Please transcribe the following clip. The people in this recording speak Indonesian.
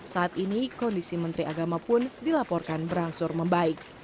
saat ini kondisi menteri agama pun dilaporkan berangsur membaik